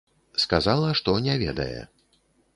Сказала, што не ведае.